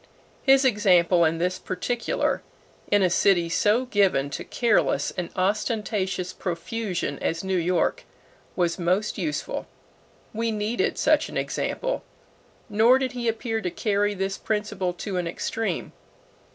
His example in this particular, in a city so given to careless and ostentatious profusion as New York, was most useful. We needed such an example. Nor did he appear to carry this principle to an extreme.